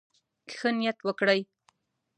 ښه نيت وکړئ.